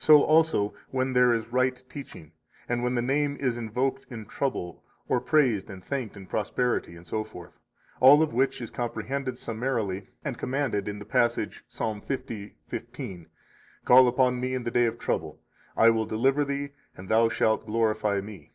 So also when there is right teaching, and when the name is invoked in trouble or praised and thanked in prosperity, etc.; all of which is comprehended summarily and commanded in the passage Ps. 50:15: Call upon Me in the day of trouble; I will deliver thee, and thou shalt glorify Me.